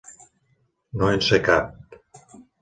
No en sé cap.